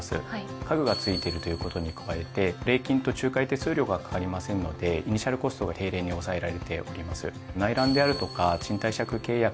家具が付いてるということに加えて礼金と仲介手数料がかかりませんのでイニシャルコストが低廉に抑えられております。